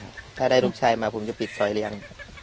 ถ้าได้ลูกชายมาผมจะปิดซอยเลี้ยง